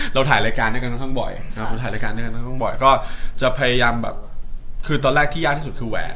เรียงคำไปจากเมืองไทยยังไง